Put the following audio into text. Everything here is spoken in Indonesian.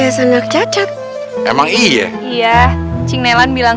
yang tau alamat kan nih jeng